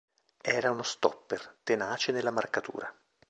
Era uno stopper, tenace nella marcatura.